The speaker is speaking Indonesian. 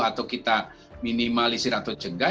atau kita minimalisir atau cegah